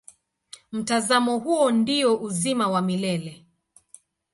Mtazamo huo ndio uzima wa milele.